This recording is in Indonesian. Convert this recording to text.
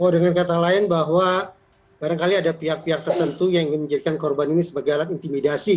dengan kata lain bahwa barangkali ada pihak pihak tertentu yang ingin menjadikan korban ini sebagai alat intimidasi